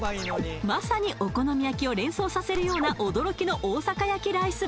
まさにお好み焼きを連想させるような驚きの大阪焼きライス